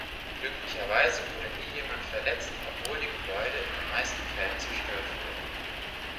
Glücklicherweise wurde nie jemand verletzt, obwohl die Gebäude in den meisten Fällen zerstört wurden.